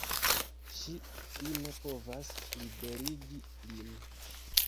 Ŝi fine povas liberigi lin.